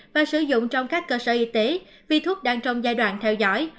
và sử dụng trong các cơ sở y tế vì thuốc đang trong giai đoạn theo dõi